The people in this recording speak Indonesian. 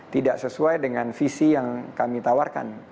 tidak sesuai dengan visi yang kami tawarkan